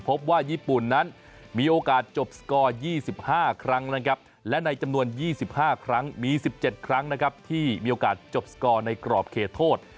พบว่าญี่ปุ่นนั้นมีโอกาสจบสกอร์๒๕ครั้งนะครับและในจำนวน๒๕ครั้งมี๑๗ครั้งนะครับที่มีโอกาสจบสกอร์ในกรอบเขตโทษ